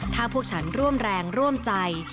ถ้าพวกฉันร่วมแรงร่วมใจ